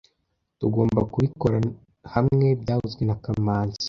Tugomba kubikora hamwe byavuzwe na kamanzi